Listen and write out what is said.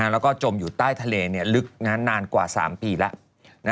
แล้วก็จมอยู่ใต้ทะเลลึกนานกว่า๓ปีแล้ว